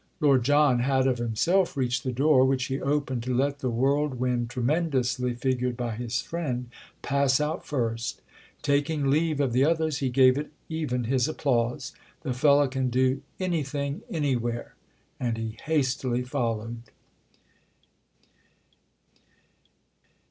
Lord John had of himself reached the door, which he opened to let the whirlwind tremendously figured by his friend pass out first. Taking leave of the others he gave it even his applause. "The fellow can do anything anywhere!" And he hastily followed.